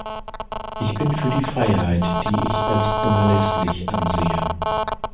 Ich bin für die Freiheit, die ich als unerlässlich ansehe.